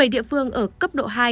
bảy địa phương ở cấp độ hai